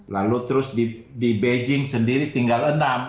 lalu terus di beijing sendiri tinggal enam